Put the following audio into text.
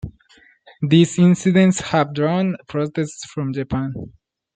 These incidents have drawn protests from Japan.